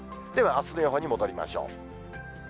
ではあすの予報に戻りましょう。